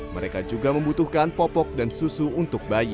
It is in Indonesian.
mereka juga membutuhkan popok dan susu untuk bayi